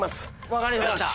分かりました。